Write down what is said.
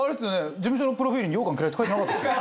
事務所のプロフィールにようかん嫌いって書いてなかったですよ。